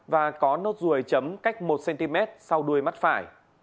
và có nốt ruồi chấm cách một cm sau đuôi mắt phải